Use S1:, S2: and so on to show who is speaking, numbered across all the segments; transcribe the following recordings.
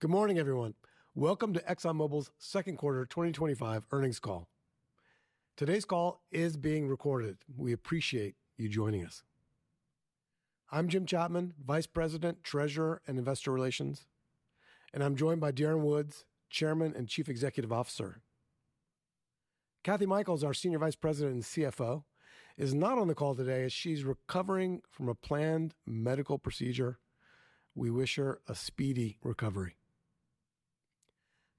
S1: Good morning, everyone. Welcome to ExxonMobil's second quarter 2025 earnings call. Today's call is being recorded. We appreciate you joining us. I'm Jim Chapman, Vice President, Treasurer and Investor Relations, and I'm joined by Darren Woods, Chairman and Chief Executive Officer. Kathy Mikells, our Senior Vice President and CFO, is not on the call today as she's recovering from a planned medical procedure. We wish her a speedy recovery.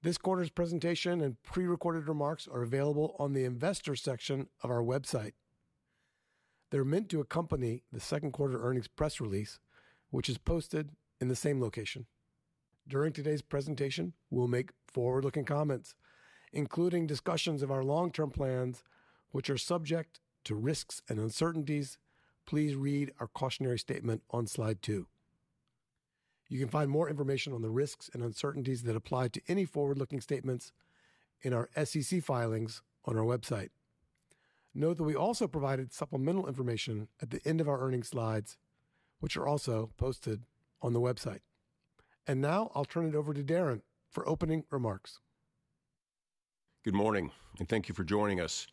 S1: This quarter's presentation and prerecorded remarks are available on the Investor section of our website. They're meant to accompany the second quarter earnings press release, which is posted in the same location. During today's presentation, we'll make forward-looking comments, including discussions of our long-term plans, which are subject to risks and uncertainties. Please read our cautionary statement on slide two. You can find more information on the risks and uncertainties that apply to any forward-looking statements in our SEC filings on our website. Note that we also provided supplemental information at the end of our earnings slides, which are also posted on the website. I will turn it over to Darren for opening remarks.
S2: Good morning, and thank you for joining us.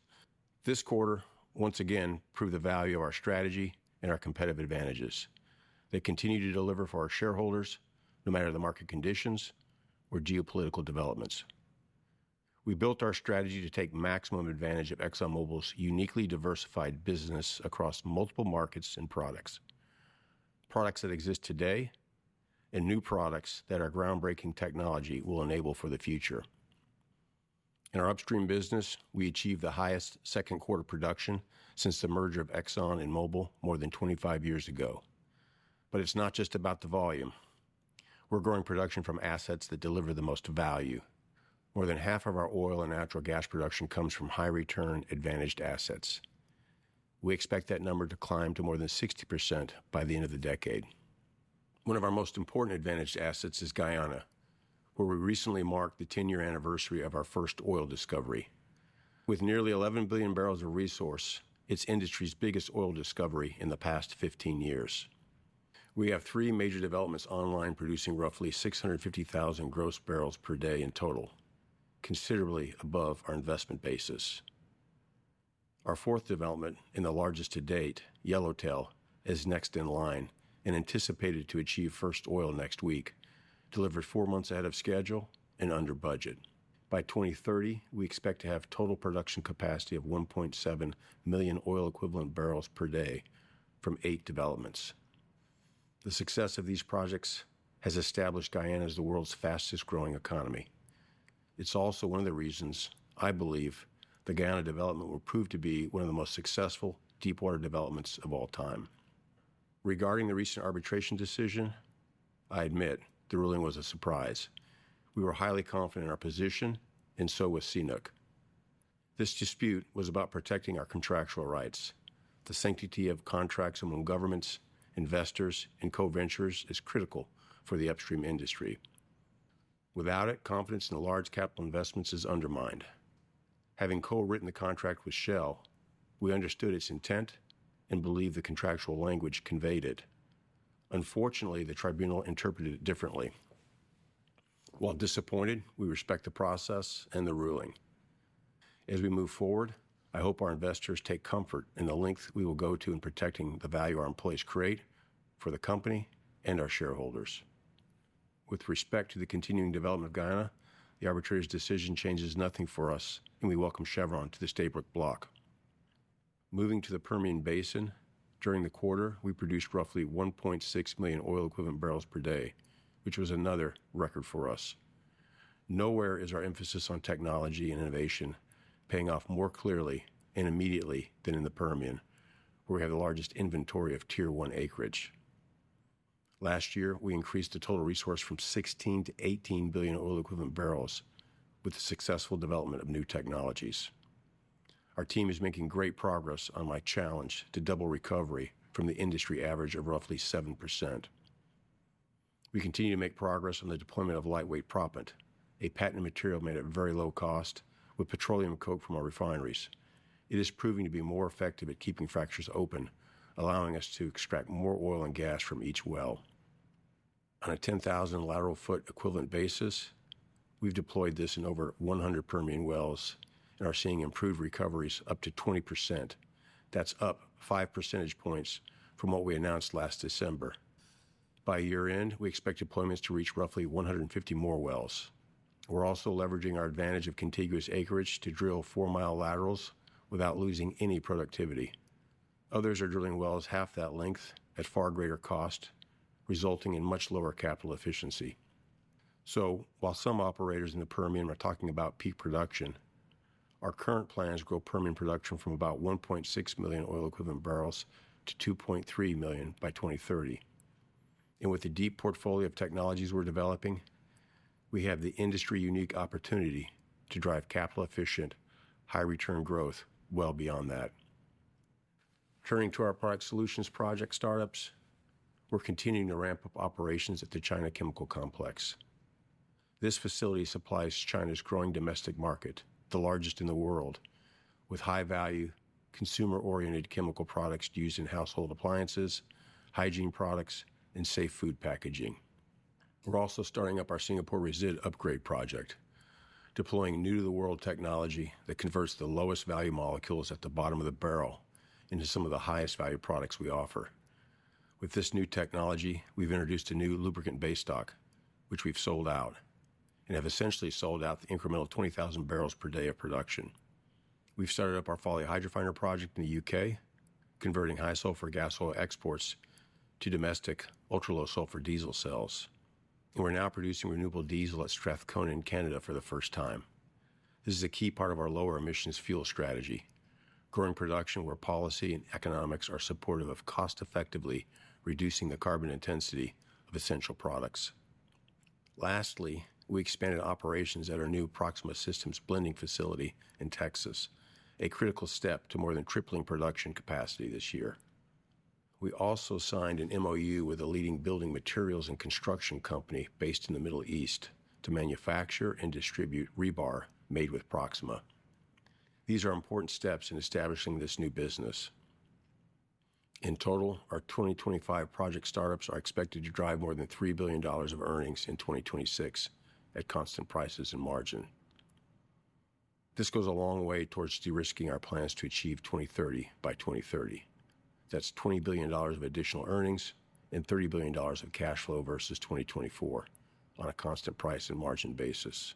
S2: This quarter, once again, proved the value of our strategy and our competitive advantages. They continue to deliver for our shareholders, no matter the market conditions or geopolitical developments. We built our strategy to take maximum advantage of ExxonMobil's uniquely diversified business across multiple markets and products, products that exist today and new products that our groundbreaking technology will enable for the future. In our upstream business, we achieved the highest second quarter production since the merger of Exxon and Mobil more than 25 years ago. It is not just about the volume. We are growing production from assets that deliver the most value. More than half of our oil and natural gas production comes from high-return, advantaged assets. We expect that number to climb to more than 60% by the end of the decade. One of our most important advantaged assets is Guyana, where we recently marked the 10-year anniversary of our first oil discovery. With nearly 11 billion barrels of resource, it's industry's biggest oil discovery in the past 15 years. We have three major developments online, producing roughly 650,000 gross barrels per day in total, considerably above our investment basis. Our fourth development, and the largest to date, Yellowtail, is next in line and anticipated to achieve first oil next week, delivered four months ahead of schedule and under budget. By 2030, we expect to have total production capacity of 1.7 million oil-equivalent barrels per day from eight developments. The success of these projects has established Guyana as the world's fastest-growing economy. It's also one of the reasons, I believe, the Guyana development will prove to be one of the most successful deep-water developments of all time. Regarding the recent arbitration decision, I admit the ruling was a surprise. We were highly confident in our position, and so was CNOOC. This dispute was about protecting our contractual rights. The sanctity of contracts among governments, investors, and co-ventures is critical for the upstream industry. Without it, confidence in large capital investments is undermined. Having co-written the contract with Shell, we understood its intent and believed the contractual language conveyed it. Unfortunately, the tribunal interpreted it differently. While disappointed, we respect the process and the ruling. As we move forward, I hope our investors take comfort in the length we will go to in protecting the value our employees create for the company and our shareholders. With respect to the continuing development of Guyana, the arbitrator's decision changes nothing for us, and we welcome Chevron to the Stabroek block. Moving to the Permian Basin, during the quarter, we produced roughly 1.6 million oil-equivalent barrels per day, which was another record for us. Nowhere is our emphasis on technology and innovation paying off more clearly and immediately than in the Permian, where we have the largest inventory of tier-one acreage. Last year, we increased the total resource from 16-18 billion oil-equivalent barrels with the successful development of new technologies. Our team is making great progress on my challenge to double recovery from the industry average of roughly 7%. We continue to make progress on the deployment of lightweight proppant, a patented material made at very low cost, with petroleum coke from our refineries. It is proving to be more effective at keeping fractures open, allowing us to extract more oil and gas from each well. On a 10,000 lateral-foot equivalent basis, we've deployed this in over 100 Permian wells and are seeing improved recoveries up to 20%. That is up five percentage points from what we announced last December. By year-end, we expect deployments to reach roughly 150 more wells. We're also leveraging our advantage of contiguous acreage to drill four-mile laterals without losing any productivity. Others are drilling wells half that length at far greater cost, resulting in much lower capital efficiency. While some operators in the Permian are talking about peak production, our current plans grow Permian production from about 1.6 million oil-equivalent barrels to 2.3 million by 2030. With the deep portfolio of technologies we're developing, we have the industry-unique opportunity to drive capital-efficient, high-return growth well beyond that. Turning to our product solutions project startups, we're continuing to ramp up operations at the China Chemical Complex. This facility supplies China's growing domestic market, the largest in the world, with high-value, consumer-oriented chemical products used in household appliances, hygiene products, and safe food packaging. We are also starting up our Singapore Resid upgrade project, deploying new-to-the-world technology that converts the lowest-value molecules at the bottom of the barrel into some of the highest-value products we offer. With this new technology, we have introduced a new lubricant base stock, which we have sold out and have essentially sold out the incremental 20,000 barrels per day of production. We have started up our polyhydrofiner project in the U.K., converting high-sulfur gas oil exports to domestic ultra-low-sulfur diesel sales. We are now producing renewable diesel at Strathcona in Canada for the first time. This is a key part of our lower-emissions fuel strategy, growing production where policy and economics are supportive of cost-effectively reducing the carbon intensity of essential products. Lastly, we expanded operations at our new Proxima Systems blending facility in Texas, a critical step to more than tripling production capacity this year. We also signed an MOU with a leading building materials and construction company based in the Middle East to manufacture and distribute rebar made with Proxima. These are important steps in establishing this new business. In total, our 2025 project startups are expected to drive more than $3 billion of earnings in 2026 at constant prices and margin. This goes a long way towards de-risking our plans to achieve $20 billion of additional earnings and $30 billion of cash flow versus 2024 on a constant price and margin basis by 2030.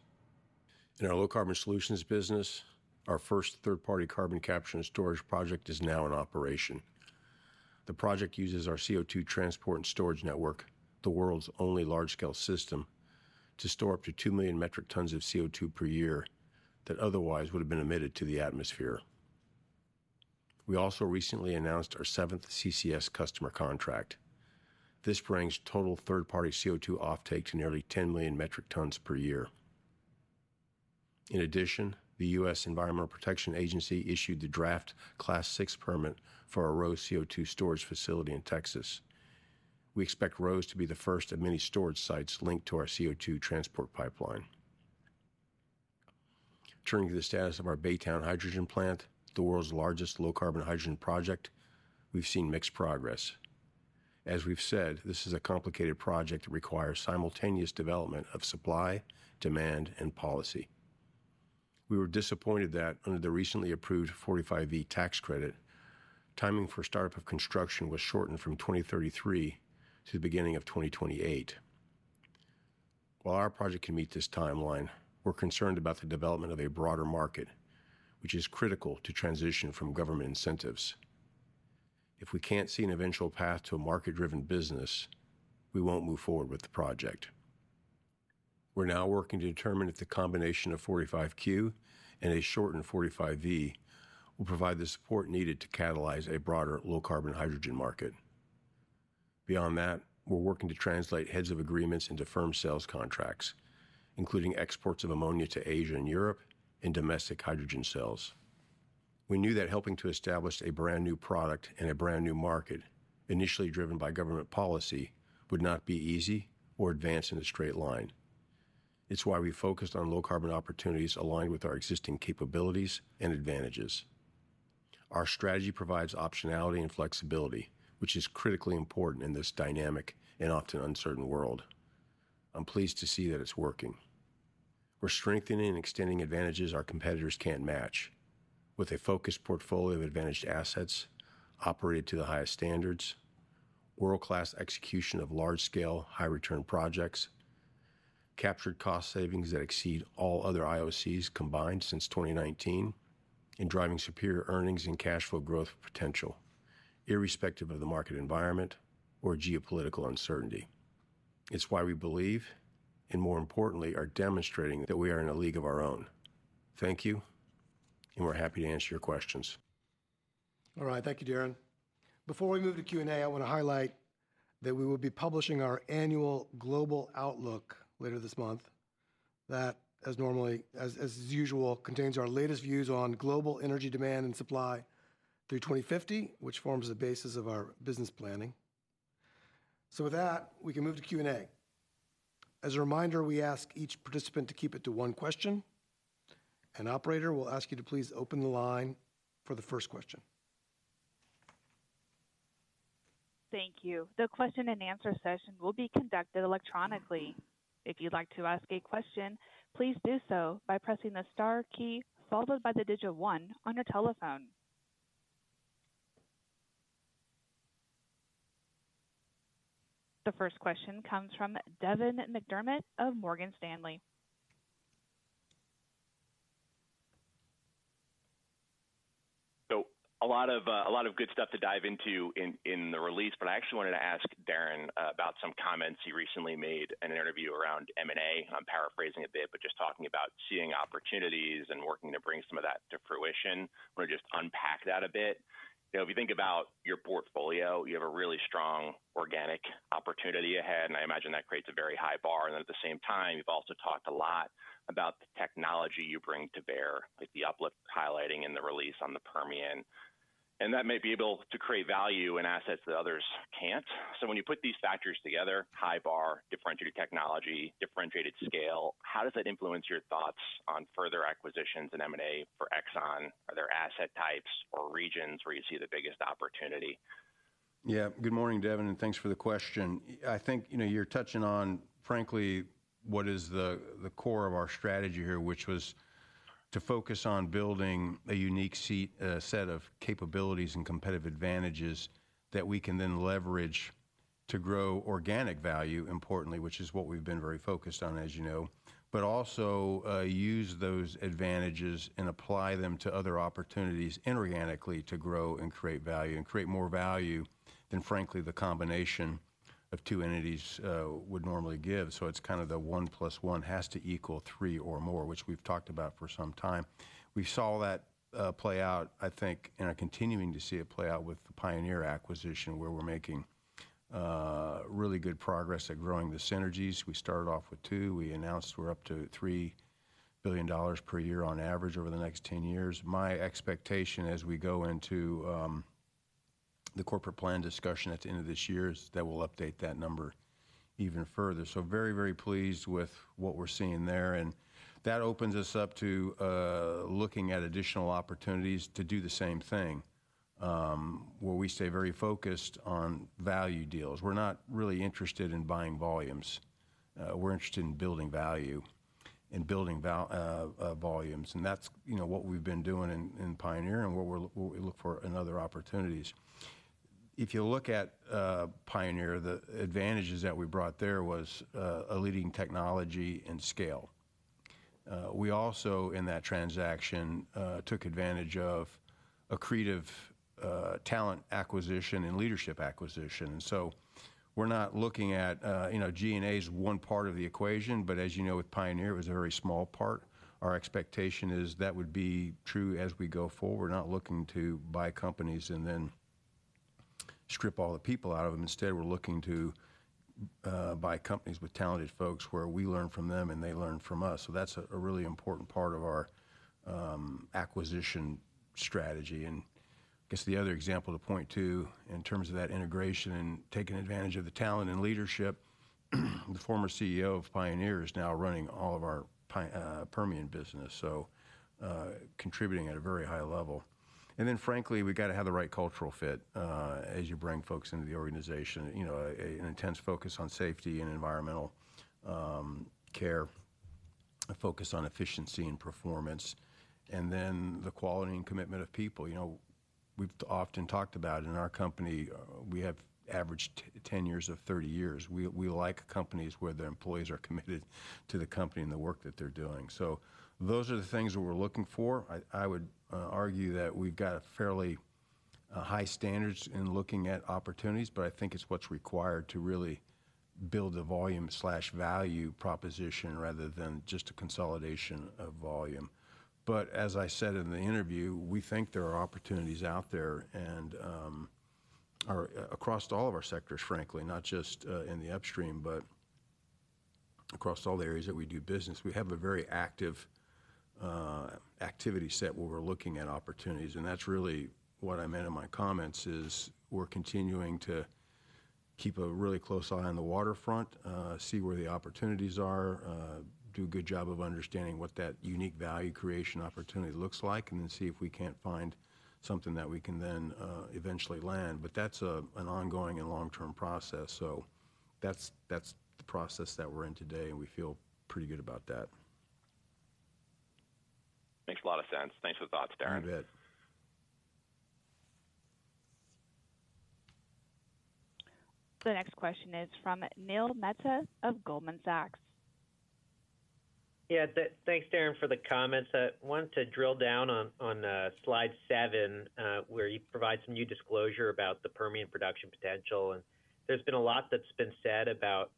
S2: In our low-carbon solutions business, our first third-party carbon capture and storage project is now in operation. The project uses our CO2 transport and storage network, the world's only large-scale system, to store up to 2 million metric tons of CO2 per year that otherwise would have been emitted to the atmosphere. We also recently announced our seventh CCS customer contract. This brings total third-party CO2 offtake to nearly 10 million metric tons per year. In addition, the U.S. Environmental Protection Agency issued the draft Class 6 permit for our ROSE CO2 storage facility in Texas. We expect ROSE to be the first of many storage sites linked to our CO2 transport pipeline. Turning to the status of our Baytown Hydrogen Plant, the world's largest low-carbon hydrogen project, we've seen mixed progress. As we've said, this is a complicated project that requires simultaneous development of supply, demand, and policy. We were disappointed that, under the recently approved 45V tax credit, timing for startup of construction was shortened from 2033 to the beginning of 2028. While our project can meet this timeline, we're concerned about the development of a broader market, which is critical to transition from government incentives. If we can't see an eventual path to a market-driven business, we won't move forward with the project. We're now working to determine if the combination of 45Q and a shortened 45V will provide the support needed to catalyze a broader low-carbon hydrogen market. Beyond that, we're working to translate heads of agreements into firm sales contracts, including exports of ammonia to Asia and Europe and domestic hydrogen cells. We knew that helping to establish a brand-new product and a brand-new market, initially driven by government policy, would not be easy or advance in a straight line. It's why we focused on low-carbon opportunities aligned with our existing capabilities and advantages. Our strategy provides optionality and flexibility, which is critically important in this dynamic and often uncertain world. I'm pleased to see that it's working. We're strengthening and extending advantages our competitors can't match, with a focused portfolio of advantaged assets operated to the highest standards, world-class execution of large-scale, high-return projects, captured cost savings that exceed all other IOCs combined since 2019, and driving superior earnings and cash flow growth potential, irrespective of the market environment or geopolitical uncertainty. It's why we believe, and more importantly, are demonstrating that we are in a league of our own. Thank you, and we're happy to answer your questions.
S1: All right. Thank you, Darren. Before we move to Q&A, I want to highlight that we will be publishing our annual Global Outlook later this month. That, as normally—as usual—contains our latest views on global energy demand and supply through 2050, which forms the basis of our business planning. With that, we can move to Q&A. As a reminder, we ask each participant to keep it to one question. An operator will ask you to please open the line for the first question.
S3: Thank you. The question-and-answer session will be conducted electronically. If you'd like to ask a question, please do so by pressing the star key followed by the digit one on your telephone. The first question comes from Devin McDermott of Morgan Stanley.
S4: A lot of good stuff to dive into in the release, but I actually wanted to ask Darren about some comments he recently made in an interview around M&A. I'm paraphrasing a bit, but just talking about seeing opportunities and working to bring some of that to fruition. I want to just unpack that a bit. If you think about your portfolio, you have a really strong organic opportunity ahead, and I imagine that creates a very high bar. At the same time, you've also talked a lot about the technology you bring to bear, like the uplift highlighting in the release on the Permian. That may be able to create value in assets that others can't. When you put these factors together—high bar, differentiated technology, differentiated scale—how does that influence your thoughts on further acquisitions in M&A for ExxonMobil? Are there asset types or regions where you see the biggest opportunity?
S2: Yeah. Good morning, Devin, and thanks for the question. I think you're touching on, frankly, what is the core of our strategy here, which was to focus on building a unique set of capabilities and competitive advantages that we can then leverage to grow organic value, importantly, which is what we've been very focused on, as you know, but also use those advantages and apply them to other opportunities inorganically to grow and create value and create more value than, frankly, the combination of two entities would normally give. It's kind of the one plus one has to equal three or more, which we've talked about for some time. We saw that play out, I think, and are continuing to see it play out with the Pioneer acquisition, where we're making really good progress at growing the synergies. We started off with two. We announced we're up to $3 billion per year on average over the next 10 years. My expectation as we go into the corporate plan discussion at the end of this year is that we'll update that number even further. Very, very pleased with what we're seeing there. That opens us up to looking at additional opportunities to do the same thing, where we stay very focused on value deals. We're not really interested in buying volumes. We're interested in building value and building volumes. That's what we've been doing in Pioneer and what we look for in other opportunities. If you look at Pioneer, the advantages that we brought there was a leading technology and scale. We also, in that transaction, took advantage of accretive talent acquisition and leadership acquisition. We are not looking at G&A as one part of the equation, but as you know, with Pioneer, it was a very small part. Our expectation is that would be true as we go forward. We are not looking to buy companies and then strip all the people out of them. Instead, we are looking to buy companies with talented folks where we learn from them and they learn from us. That is a really important part of our acquisition strategy. I guess the other example to point to in terms of that integration and taking advantage of the talent and leadership, the former CEO of Pioneer is now running all of our Permian business, contributing at a very high level. Frankly, we've got to have the right cultural fit as you bring folks into the organization, an intense focus on safety and environmental care, a focus on efficiency and performance, and then the quality and commitment of people. We've often talked about it in our company. We have averaged 10 years of 30 years. We like companies where their employees are committed to the company and the work that they're doing. Those are the things that we're looking for. I would argue that we've got fairly high standards in looking at opportunities, but I think it's what's required to really build a volume/value proposition rather than just a consolidation of volume. As I said in the interview, we think there are opportunities out there across all of our sectors, frankly, not just in the upstream, but across all the areas that we do business. We have a very active activity set where we're looking at opportunities. That is really what I meant in my comments is we're continuing to keep a really close eye on the waterfront, see where the opportunities are, do a good job of understanding what that unique value creation opportunity looks like, and then see if we can't find something that we can then eventually land. That is an ongoing and long-term process. That is the process that we're in today, and we feel pretty good about that.
S4: Makes a lot of sense. Thanks for the thoughts, Darren.
S5: I bet.
S3: The next question is from Neil Mehta of Goldman Sachs.
S6: Yeah. Thanks, Darren, for the comments. I wanted to drill down on slide seven, where you provide some new disclosure about the Permian production potential. There's been a lot that's been said about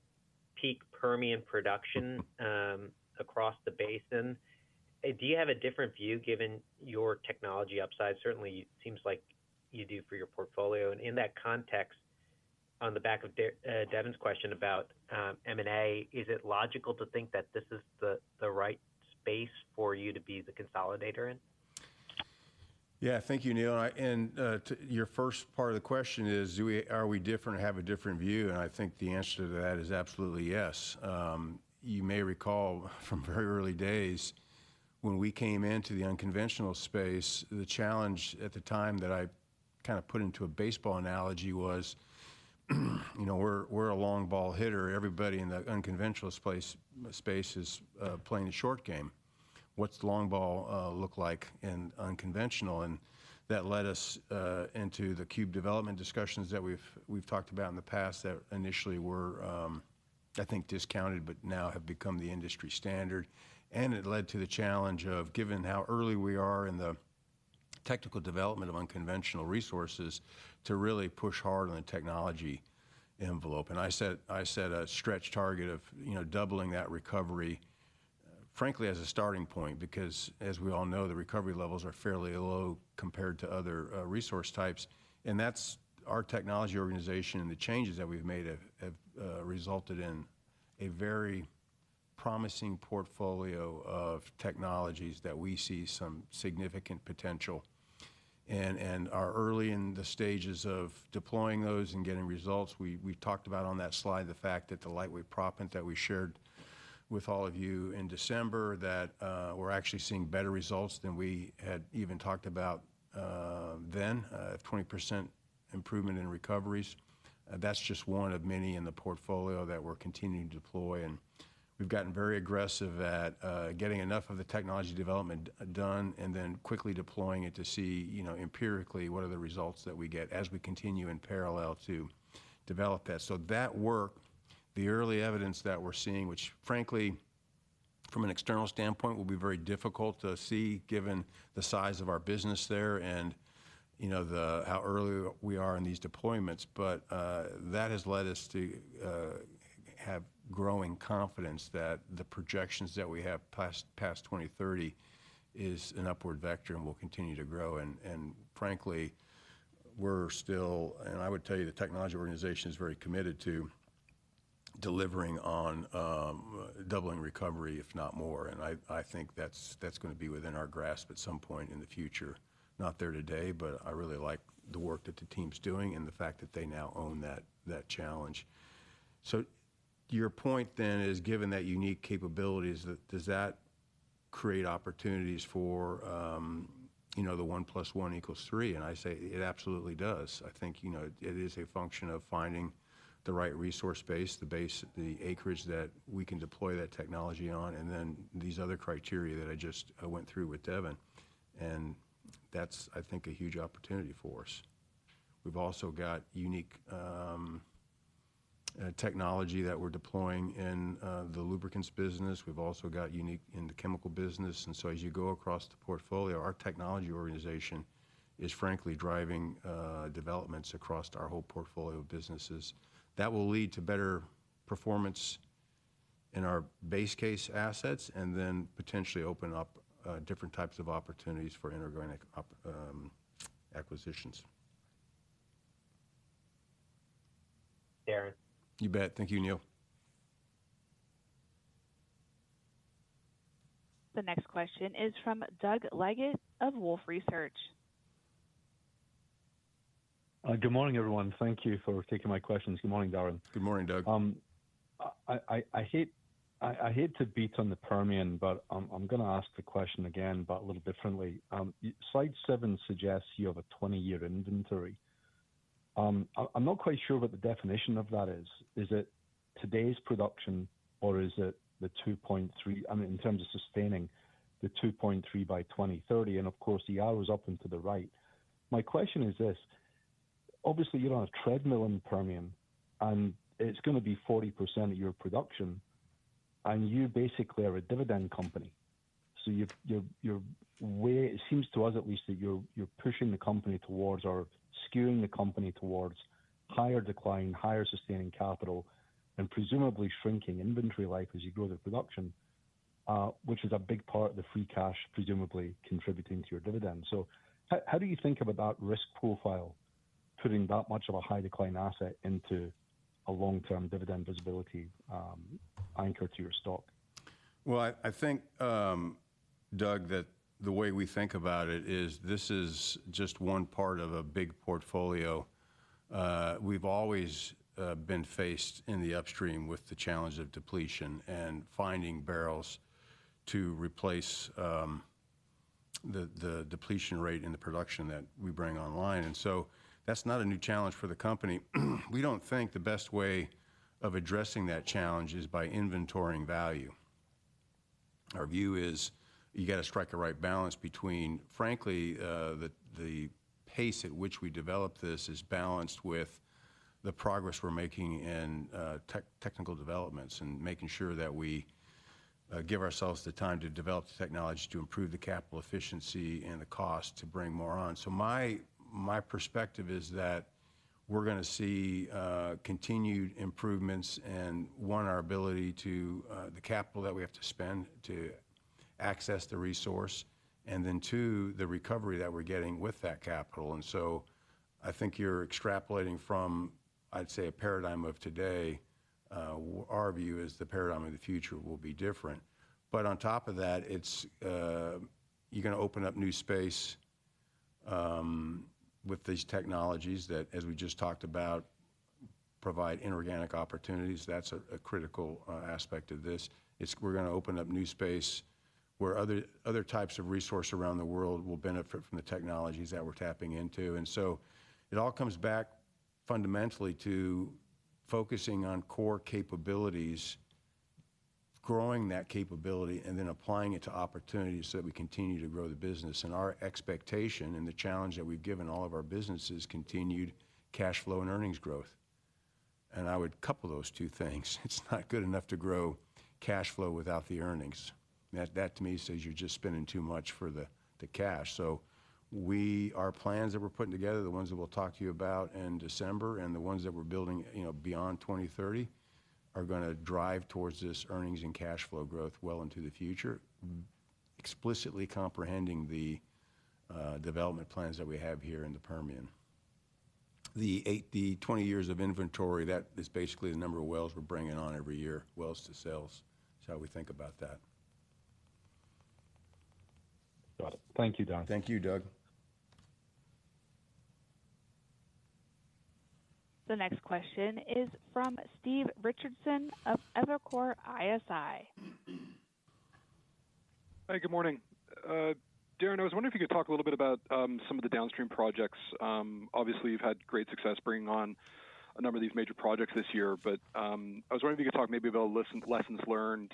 S6: peak Permian production across the basin. Do you have a different view given your technology upside? Certainly, it seems like you do for your portfolio. In that context, on the back of Devin's question about M&A, is it logical to think that this is the right space for you to be the consolidator in?
S2: Yeah. Thank you, Neil. Your first part of the question is, are we different and have a different view? I think the answer to that is absolutely yes. You may recall from very early days when we came into the unconventional space, the challenge at the time that I kind of put into a baseball analogy was we're a long ball hitter. Everybody in the unconventional space is playing the short game. What's the long ball look like in unconventional? That led us into the CUBE development discussions that we've talked about in the past that initially were, I think, discounted, but now have become the industry standard. It led to the challenge of, given how early we are in the technical development of unconventional resources, to really push hard on the technology envelope. I set a stretch target of doubling that recovery, frankly, as a starting point, because, as we all know, the recovery levels are fairly low compared to other resource types. That is our technology organization, and the changes that we have made have resulted in a very promising portfolio of technologies that we see some significant potential. We are early in the stages of deploying those and getting results. We have talked about on that slide the fact that the lightweight proppant that we shared with all of you in December, we are actually seeing better results than we had even talked about then, a 20% improvement in recoveries. That is just one of many in the portfolio that we are continuing to deploy. We have gotten very aggressive at getting enough of the technology development done and then quickly deploying it to see empirically what are the results that we get as we continue in parallel to develop that. That work, the early evidence that we are seeing, which, frankly, from an external standpoint, will be very difficult to see given the size of our business there and how early we are in these deployments. That has led us to have growing confidence that the projections that we have past 2030 is an upward vector and will continue to grow. Frankly, we are still, and I would tell you, the technology organization is very committed to delivering on doubling recovery, if not more. I think that's going to be within our grasp at some point in the future, not there today, but I really like the work that the team's doing and the fact that they now own that challenge. Your point then is, given that unique capabilities, does that create opportunities for the one plus one equals three? I say it absolutely does. I think it is a function of finding the right resource base, the acreage that we can deploy that technology on, and then these other criteria that I just went through with Devin. I think that's a huge opportunity for us. We've also got unique technology that we're deploying in the lubricants business. We've also got unique in the chemical business. As you go across the portfolio, our technology organization is, frankly, driving developments across our whole portfolio of businesses. That will lead to better performance in our base case assets and then potentially open up different types of opportunities for inorganic acquisitions.
S4: Darren.
S5: You bet. Thank you, Neil.
S3: The next question is from Doug Leggate of Wolfe Research.
S7: Good morning, everyone. Thank you for taking my questions. Good morning, Darren.
S2: Good morning, Doug.
S7: I hate to beat on the Permian, but I'm going to ask the question again, but a little differently. Slide seven suggests you have a 20-year inventory. I'm not quite sure what the definition of that is. Is it today's production, or is it the 2.3, I mean, in terms of sustaining the 2.3 by 2030? Of course, the arrow is up and to the right. My question is this: obviously, you're on a treadmill in Permian, and it's going to be 40% of your production, and you basically are a dividend company. It seems to us, at least, that you're pushing the company towards or skewing the company towards higher decline, higher sustaining capital, and presumably shrinking inventory life as you grow the production, which is a big part of the free cash, presumably contributing to your dividend. How do you think about that risk profile, putting that much of a high-decline asset into a long-term dividend visibility anchor to your stock?
S2: I think, Doug, that the way we think about it is this is just one part of a big portfolio. We've always been faced in the upstream with the challenge of depletion and finding barrels to replace the depletion rate in the production that we bring online. That is not a new challenge for the company. We do not think the best way of addressing that challenge is by inventorying value. Our view is you have to strike a right balance between, frankly, the pace at which we develop this is balanced with the progress we are making in technical developments and making sure that we give ourselves the time to develop the technology to improve the capital efficiency and the cost to bring more on. My perspective is that we're going to see continued improvements and, one, our ability to the capital that we have to spend to access the resource, and then, two, the recovery that we're getting with that capital. I think you're extrapolating from, I'd say, a paradigm of today. Our view is the paradigm of the future will be different. On top of that, you're going to open up new space with these technologies that, as we just talked about, provide inorganic opportunities. That's a critical aspect of this. We're going to open up new space where other types of resources around the world will benefit from the technologies that we're tapping into. It all comes back fundamentally to focusing on core capabilities, growing that capability, and then applying it to opportunities so that we continue to grow the business. Our expectation and the challenge that we have given all of our businesses is continued cash flow and earnings growth. I would couple those two things. It is not good enough to grow cash flow without the earnings. That, to me, says you are just spending too much for the cash. Our plans that we are putting together, the ones that we will talk to you about in December and the ones that we are building beyond 2030, are going to drive towards this earnings and cash flow growth well into the future, explicitly comprehending the development plans that we have here in the Permian. The 20 years of inventory, that is basically the number of wells we are bringing on every year, wells to sales. That is how we think about that.
S7: Got it. Thank you, Darren.
S2: Thank you, Doug.
S3: The next question is from Steve Richardson of Evercore ISI.
S8: Hi, good morning. Darren, I was wondering if you could talk a little bit about some of the downstream projects. Obviously, you've had great success bringing on a number of these major projects this year, but I was wondering if you could talk maybe about lessons learned,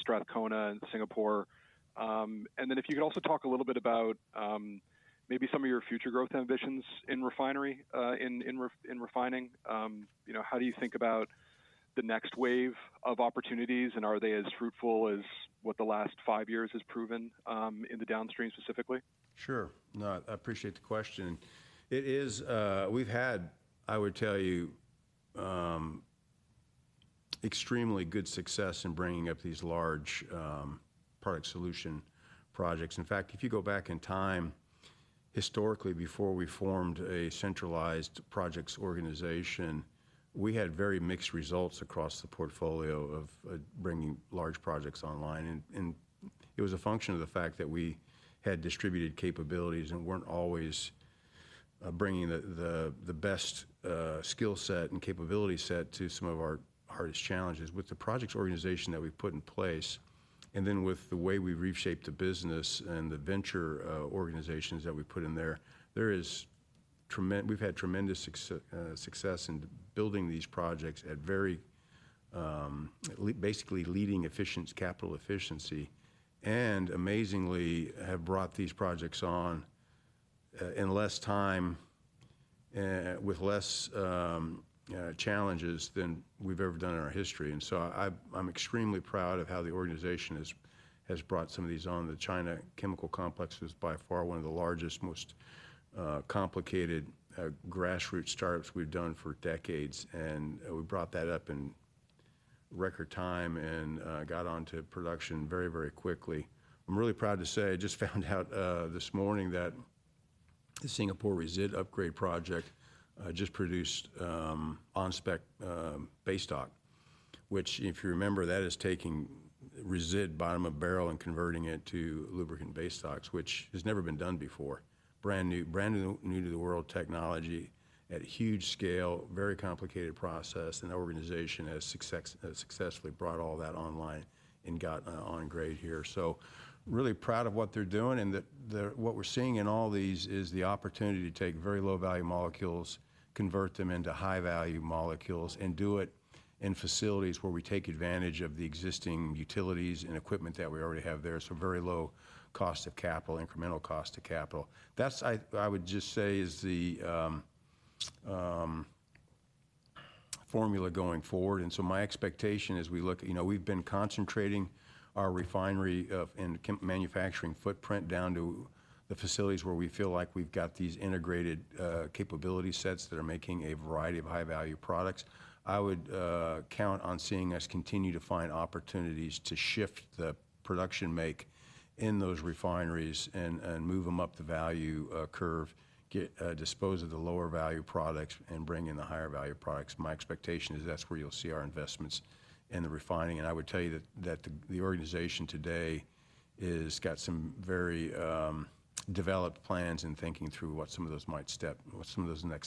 S8: Strathcona and Singapore. If you could also talk a little bit about maybe some of your future growth ambitions in refining, how do you think about the next wave of opportunities, and are they as fruitful as what the last five years have proven in the downstream specifically?
S2: Sure. No, I appreciate the question. We've had, I would tell you, extremely good success in bringing up these large product solution projects. In fact, if you go back in time, historically, before we formed a centralized projects organization, we had very mixed results across the portfolio of bringing large projects online. It was a function of the fact that we had distributed capabilities and were not always bringing the best skill set and capability set to some of our hardest challenges. With the projects organization that we put in place and then with the way we've reshaped the business and the venture organizations that we put in there, we've had tremendous success in building these projects at basically leading capital efficiency and, amazingly, have brought these projects on in less time with fewer challenges than we've ever done in our history. I'm extremely proud of how the organization has brought some of these on. The China Chemical Complex is by far one of the largest, most complicated grassroots startups we've done for decades. We brought that up in record time and got on to production very, very quickly. I'm really proud to say I just found out this morning that the Singapore Resid upgrade project just produced on-spec base stock, which, if you remember, that is taking Resid bottom of barrel and converting it to lubricant base stocks, which has never been done before. Brand new to the world technology at huge scale, very complicated process. The organization has successfully brought all that online and got on grade here. I'm really proud of what they're doing. What we're seeing in all these is the opportunity to take very low-value molecules, convert them into high-value molecules, and do it in facilities where we take advantage of the existing utilities and equipment that we already have there. Very low cost of capital, incremental cost of capital. That, I would just say, is the formula going forward. My expectation as we look, we've been concentrating our refinery and manufacturing footprint down to the facilities where we feel like we've got these integrated capability sets that are making a variety of high-value products. I would count on seeing us continue to find opportunities to shift the production make in those refineries and move them up the value curve, dispose of the lower-value products, and bring in the higher-value products. My expectation is that's where you'll see our investments in the refining. I would tell you that the organization today has got some very developed plans and thinking through what some of those next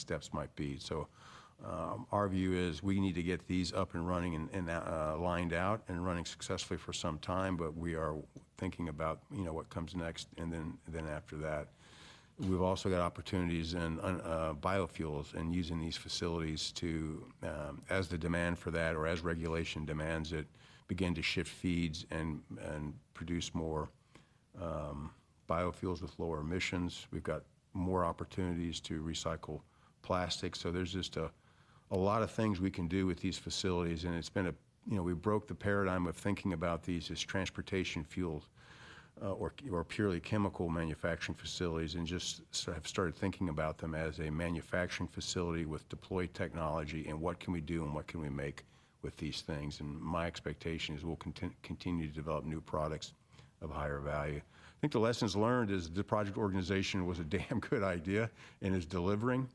S2: steps might be. Our view is we need to get these up and running and lined out and running successfully for some time. We are thinking about what comes next. After that, we've also got opportunities in biofuels and using these facilities to, as the demand for that or as regulation demands it, begin to shift feeds and produce more biofuels with lower emissions. We've got more opportunities to recycle plastic. There is just a lot of things we can do with these facilities. We broke the paradigm of thinking about these as transportation fuels or purely chemical manufacturing facilities and just have started thinking about them as a manufacturing facility with deployed technology and what can we do and what can we make with these things. My expectation is we'll continue to develop new products of higher value. I think the lessons learned is the project organization was a damn good idea and is delivering.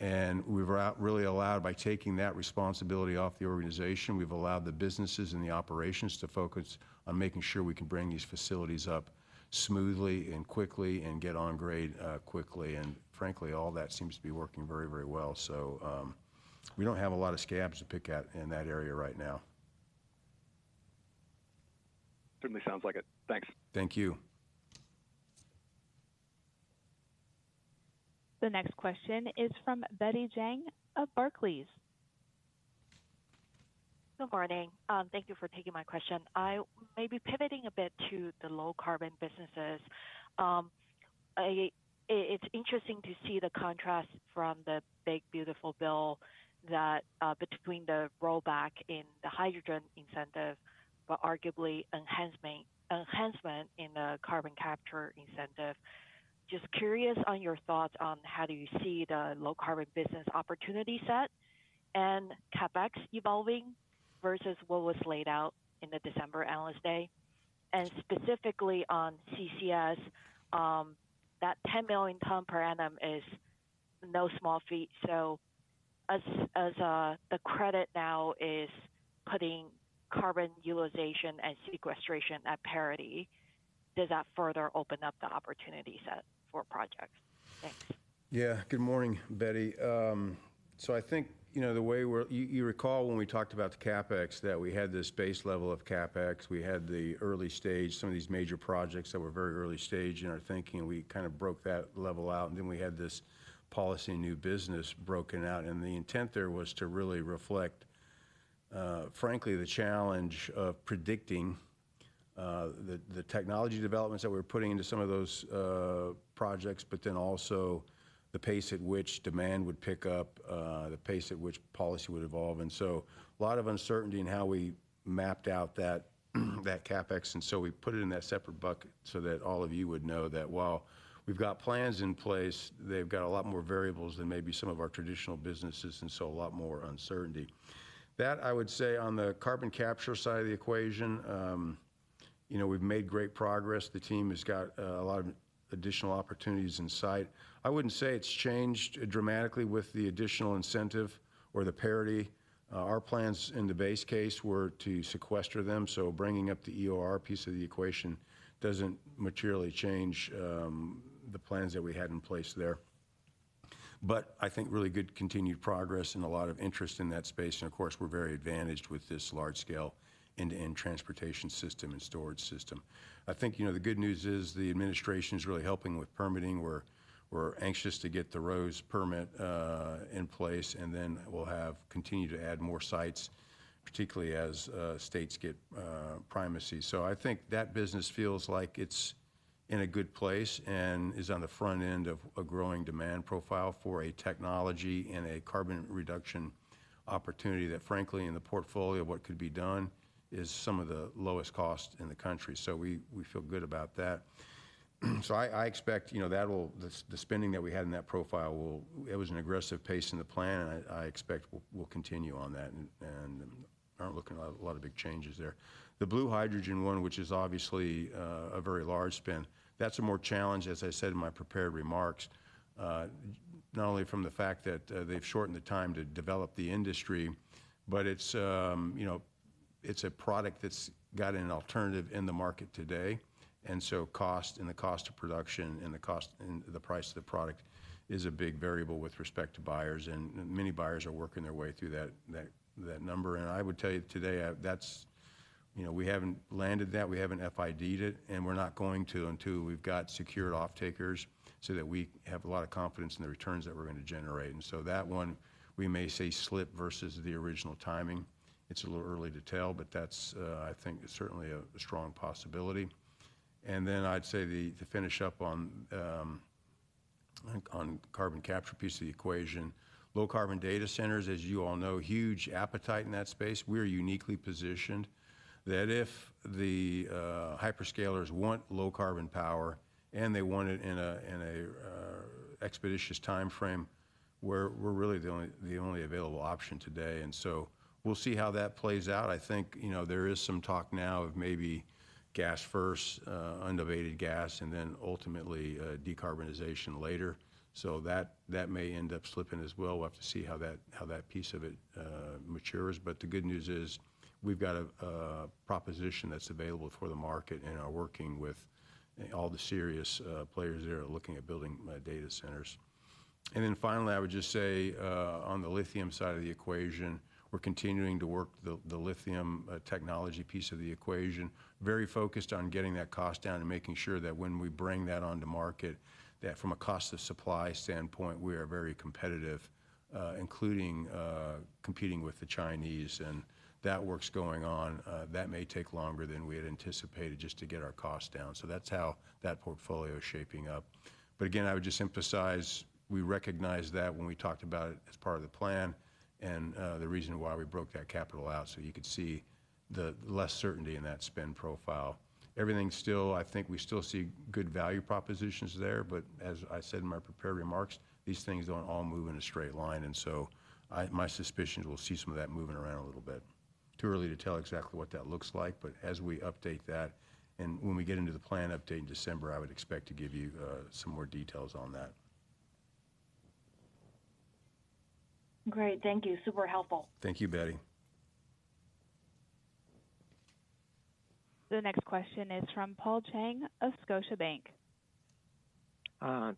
S2: We've really allowed, by taking that responsibility off the organization, the businesses and the operations to focus on making sure we can bring these facilities up smoothly and quickly and get on grade quickly. Frankly, all that seems to be working very, very well. We do not have a lot of scabs to pick at in that area right now.
S4: Certainly sounds like it. Thanks.
S5: Thank you.
S3: The next question is from Betty Jiang of Barclays.
S5: Good morning. Thank you for taking my question. I may be pivoting a bit to the low-carbon businesses. It's interesting to see the contrast from the big, beautiful bill that between the rollback in the hydrogen incentive, but arguably enhancement in the carbon capture incentive. Just curious on your thoughts on how do you see the low-carbon business opportunity set and CapEx evolving versus what was laid out in the December analyst day. Specifically on CCS, that 10 million ton per annum is no small feat. As the credit now is putting carbon utilization and sequestration at parity, does that further open up the opportunity set for projects? Thanks.
S2: Yeah. Good morning, Betty. I think the way you recall when we talked about the CapEx, that we had this base level of CapEx, we had the early stage, some of these major projects that were very early stage in our thinking. We kind of broke that level out. We had this policy new business broken out. The intent there was to really reflect, frankly, the challenge of predicting the technology developments that we were putting into some of those projects, but then also the pace at which demand would pick up, the pace at which policy would evolve. A lot of uncertainty in how we mapped out that CapEx. We put it in that separate bucket so that all of you would know that while we've got plans in place, they've got a lot more variables than maybe some of our traditional businesses, and a lot more uncertainty. That, I would say, on the carbon capture side of the equation, we've made great progress. The team has got a lot of additional opportunities in sight. I wouldn't say it's changed dramatically with the additional incentive or the parity. Our plans in the base case were to sequester them. Bringing up the EOR piece of the equation doesn't materially change the plans that we had in place there. I think really good continued progress and a lot of interest in that space. Of course, we're very advantaged with this large-scale end-to-end transportation system and storage system. I think the good news is the administration is really helping with permitting. We're anxious to get the ROSE permit in place, and then we'll continue to add more sites, particularly as states get primacy. I think that business feels like it's in a good place and is on the front end of a growing demand profile for a technology and a carbon reduction opportunity that, frankly, in the portfolio, what could be done is some of the lowest cost in the country. We feel good about that. I expect that the spending that we had in that profile, it was an aggressive pace in the plan, and I expect we'll continue on that. I don't look at a lot of big changes there. The blue hydrogen one, which is obviously a very large spend, that's a more challenge, as I said in my prepared remarks, not only from the fact that they've shortened the time to develop the industry, but it's a product that's got an alternative in the market today. Cost and the cost of production and the price of the product is a big variable with respect to buyers. Many buyers are working their way through that number. I would tell you today that we haven't landed that. We haven't FID'd it, and we're not going to until we've got secured off-takers so that we have a lot of confidence in the returns that we're going to generate. That one, we may say slip versus the original timing. It's a little early to tell, but that's, I think, certainly a strong possibility. I would say to finish up on the carbon capture piece of the equation, low-carbon data centers, as you all know, huge appetite in that space. We are uniquely positioned that if the hyperscalers want low-carbon power and they want it in an expeditious timeframe, we are really the only available option today. We will see how that plays out. I think there is some talk now of maybe gas first, unabated gas, and then ultimately decarbonization later. That may end up slipping as well. We will have to see how that piece of it matures. The good news is we have got a proposition that is available for the market and are working with all the serious players there looking at building data centers. Finally, I would just say on the lithium side of the equation, we're continuing to work the lithium technology piece of the equation, very focused on getting that cost down and making sure that when we bring that onto market, that from a cost of supply standpoint, we are very competitive, including competing with the Chinese. That work's going on. That may take longer than we had anticipated just to get our cost down. That is how that portfolio is shaping up. Again, I would just emphasize we recognize that when we talked about it as part of the plan and the reason why we broke that capital out. You could see the less certainty in that spend profile. Everything's still, I think we still see good value propositions there. As I said in my prepared remarks, these things do not all move in a straight line. My suspicion is we will see some of that moving around a little bit. Too early to tell exactly what that looks like, but as we update that and when we get into the plan update in December, I would expect to give you some more details on that.
S5: Great. Thank you. Super helpful. Thank you, Betty.
S3: The next question is from Paul Cheng of Scotia Bank.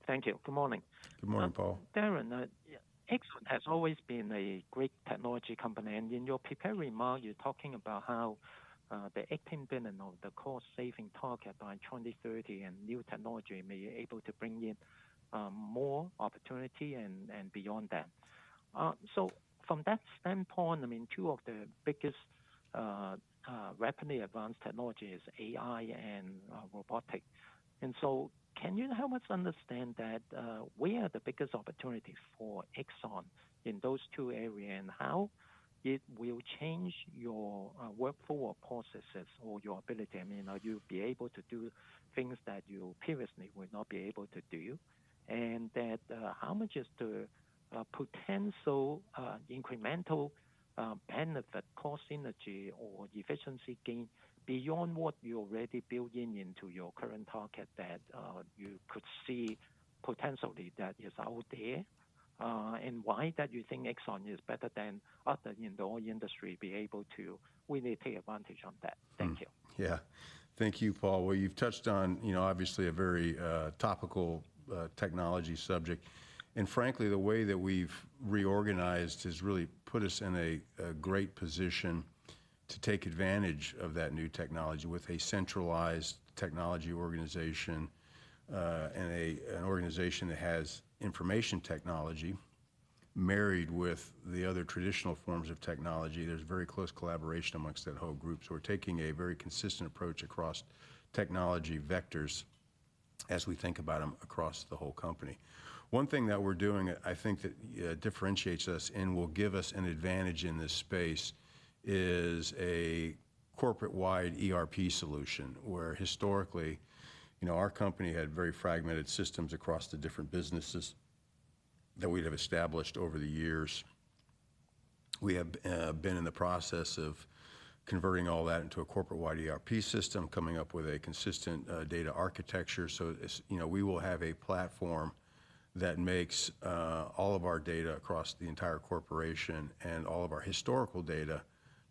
S9: Thank you. Good morning.
S2: Good morning, Paul.
S9: ExxonMobil has always been a great technology company. In your prepared remark, you're talking about how the $18 billion of the cost saving target by 2030 and new technology may be able to bring in more opportunity and beyond that. From that standpoint, I mean, two of the biggest rapidly advanced technology is AI and robotics. Can you help us understand that, where are the biggest opportunities for ExxonMobil in those two areas and how it will change your workflow or processes or your ability? I mean, you'll be able to do things that you previously would not be able to do. How much is the potential incremental benefit, cost synergy, or efficiency gain beyond what you already built into your current target that you could see potentially that is out there? Why do you think ExxonMobil is better than others in the oil industry to be able to really take advantage of that? Thank you.
S2: Yeah. Thank you, Paul. You have touched on obviously a very topical technology subject. Frankly, the way that we have reorganized has really put us in a great position to take advantage of that new technology with a centralized technology organization and an organization that has information technology married with the other traditional forms of technology. There is very close collaboration amongst that whole group. We are taking a very consistent approach across technology vectors as we think about them across the whole company. One thing that we are doing, I think, that differentiates us and will give us an advantage in this space is a corporate-wide ERP solution where historically our company had very fragmented systems across the different businesses that we had established over the years. We have been in the process of converting all that into a corporate-wide ERP system, coming up with a consistent data architecture. We will have a platform that makes all of our data across the entire corporation and all of our historical data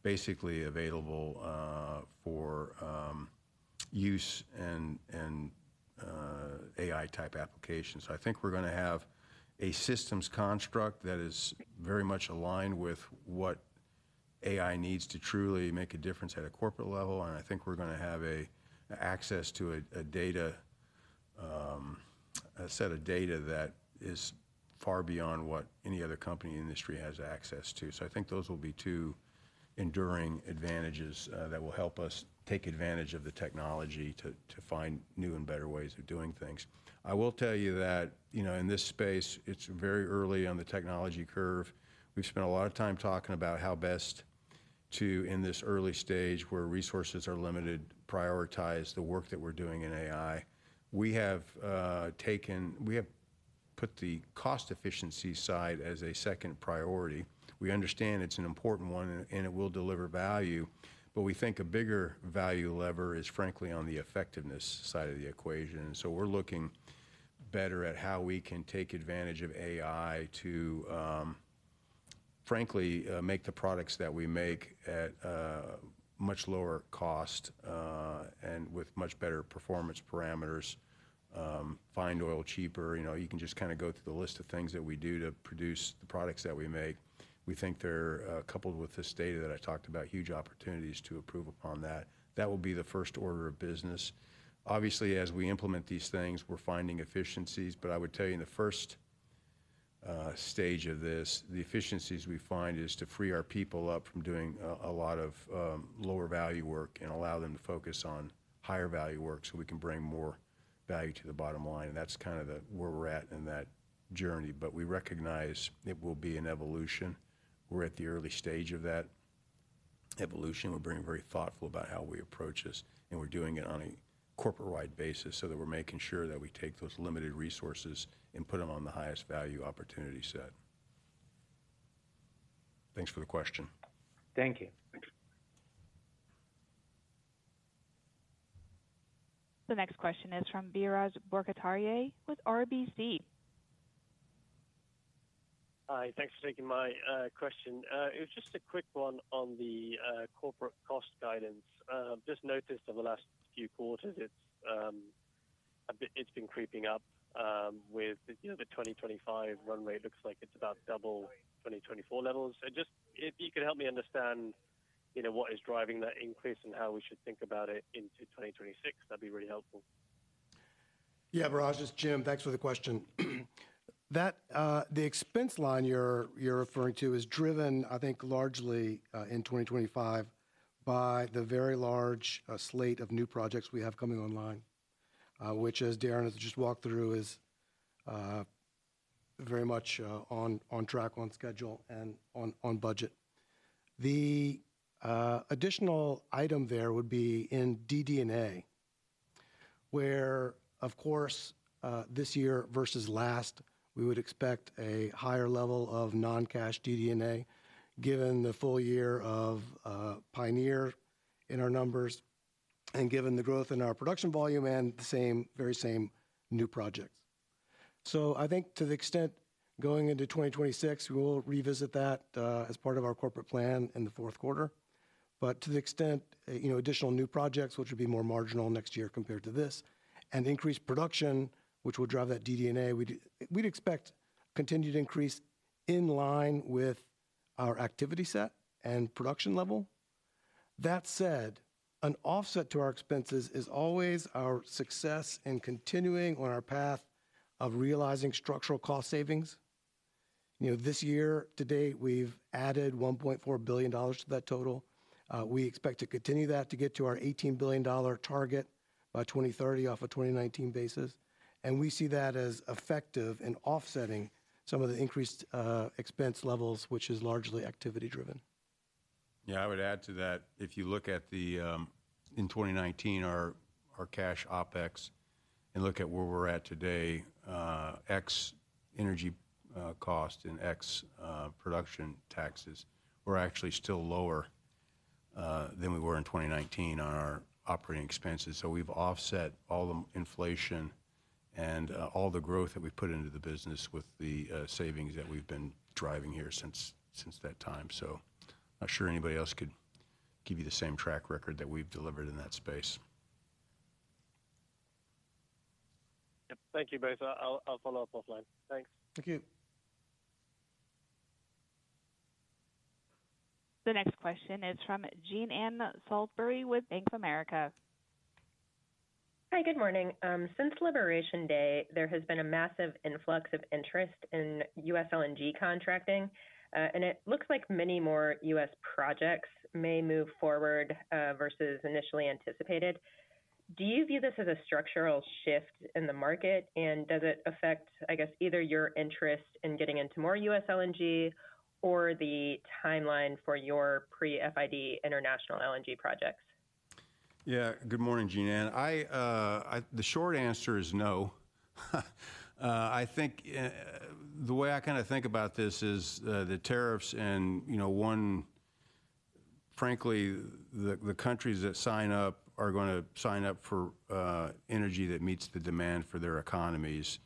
S2: basically available for use and AI-type applications. I think we're going to have a systems construct that is very much aligned with what AI needs to truly make a difference at a corporate level. I think we're going to have access to a set of data that is far beyond what any other company industry has access to. I think those will be two enduring advantages that will help us take advantage of the technology to find new and better ways of doing things. I will tell you that in this space, it's very early on the technology curve. We've spent a lot of time talking about how best to, in this early stage where resources are limited, prioritize the work that we're doing in AI. We have put the cost efficiency side as a second priority. We understand it's an important one and it will deliver value, but we think a bigger value lever is frankly on the effectiveness side of the equation. We are looking better at how we can take advantage of AI to, frankly, make the products that we make at much lower cost and with much better performance parameters, find oil cheaper. You can just kind of go through the list of things that we do to produce the products that we make. We think there are, coupled with this data that I talked about, huge opportunities to improve upon that. That will be the first order of business. Obviously, as we implement these things, we are finding efficiencies. I would tell you in the first stage of this, the efficiencies we find is to free our people up from doing a lot of lower value work and allow them to focus on higher value work so we can bring more value to the bottom line. That is kind of where we are at in that journey. We recognize it will be an evolution. We are at the early stage of that evolution. We are being very thoughtful about how we approach this. We are doing it on a corporate-wide basis so that we are making sure that we take those limited resources and put them on the highest value opportunity set. Thanks for the question.
S9: Thank you.
S7: The next question is from Biraj Borkhataria with RBC.
S10: Hi. Thanks for taking my question. It was just a quick one on the corporate cost guidance. Just noticed over the last few quarters, it's been creeping up with the 2025 runway. It looks like it's about double 2024 levels. If you could help me understand what is driving that increase and how we should think about it into 2026, that'd be really helpful.
S1: Yeah. Birajj, it's Jim. Thanks for the question. The expense line you're referring to is driven, I think, largely in 2025 by the very large slate of new projects we have coming online, which, as Darren has just walked through, is very much on track, on schedule, and on budget. The additional item there would be in DD&A, where, of course, this year versus last, we would expect a higher level of non-cash DD&A given the full year of Pioneer in our numbers and given the growth in our production volume and the very same new projects. I think to the extent going into 2026, we will revisit that as part of our corporate plan in the fourth quarter. To the extent additional new projects, which would be more marginal next year compared to this, and increased production, which will drive that DD&A, we'd expect continued increase in line with our activity set and production level. That said, an offset to our expenses is always our success in continuing on our path of realizing structural cost savings. This year, to date, we've added $1.4 billion to that total. We expect to continue that to get to our $18 billion target by 2030 off a 2019 basis. We see that as effective in offsetting some of the increased expense levels, which is largely activity-driven. Yeah. I would add to that. If you look at the in 2019, our cash OPEX and look at where we're at today, X energy cost and X production taxes, we're actually still lower than we were in 2019 on our operating expenses. We have offset all the inflation and all the growth that we have put into the business with the savings that we have been driving here since that time. I am not sure anybody else could give you the same track record that we have delivered in that space.
S10: Yep. Thank you both. I'll follow up offline. Thanks.
S2: Thank you.
S3: The next question is from Jean Anne Salisbury with Bank of America.
S11: Hi. Good morning. Since Liberation Day, there has been a massive influx of interest in U.S. LNG contracting. It looks like many more U.S. projects may move forward versus initially anticipated. Do you view this as a structural shift in the market? Does it affect, I guess, either your interest in getting into more U.S. LNG or the timeline for your pre-FID international LNG projects?
S2: Yeah. Good morning, Jean Anne. The short answer is no. I think the way I kind of think about this is the tariffs and, frankly, the countries that sign up are going to sign up for energy that meets the demand for their economies.